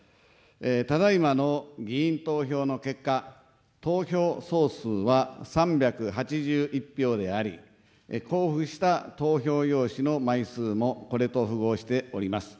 ただいまの議員投票の結果、投票総数は３８１票であり、交付した投票用紙の枚数も、これと符合しております。